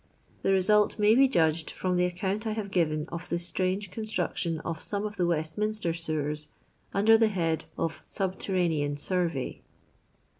The result may be judged from the account I have given of the strange construction of 8(nno of the Westminster sewers, under the head of •' subterranean survey."